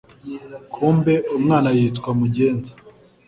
Kumbe umwana yitwa mugenza